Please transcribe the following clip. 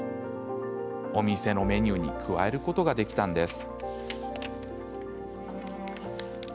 お店のメニューに加えることができたんです。